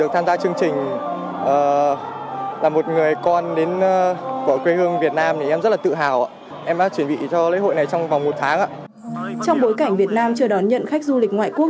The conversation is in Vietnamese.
trong bối cảnh việt nam chưa đón nhận khách du lịch ngoại quốc